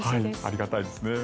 ありがたいですね。